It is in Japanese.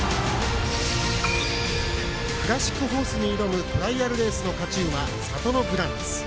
クラシックホースに挑むトライアルレースの勝ち馬サトノグランツ。